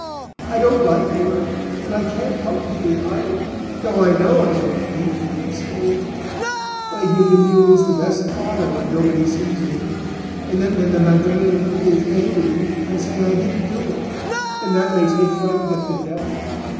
I don't like work, and I can't help being idle, though I know I shall be beaten and scolded; and I give the mules the best fodder when nobody sees me, and then when the Madre is angry I say I didn't do it, and that makes me frightened at the devil.